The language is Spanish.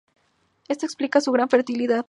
Esto explica su gran fertilidad.